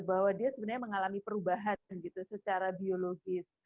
bahwa dia sebenarnya mengalami perubahan gitu secara biologis